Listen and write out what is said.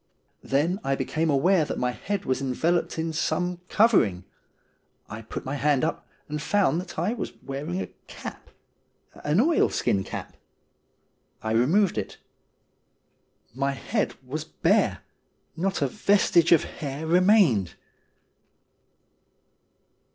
Then I became aware that my head was enveloped in some covering. I put my hand up, and found that I was wearing a cap — an oilskin cap. I removed it. My head was bare ; not a vestige of hair remained.